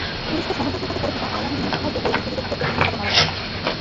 তুরস্কের সমুদ্রসৈকতে পড়ে থাকা আয়লানের নিথর দেহ বিশ্ববিবেককে প্রচণ্ডভাবে নাড়া দেয়।